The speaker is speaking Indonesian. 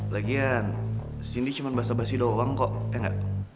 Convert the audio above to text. lagian sindi cuman basah basi doang kok eh engga